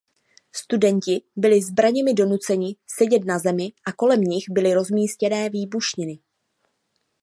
Studenti byli zbraněmi donuceni sedět na zemi a kolem nich byly rozmístěné výbušniny.